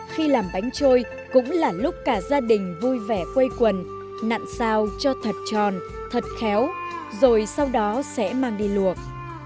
khi làm bánh trôi cũng là lúc cả gia đình vui vẻ quây quần nặn sao cho thật tròn thật khéo rồi sau đó sẽ mang đi luộc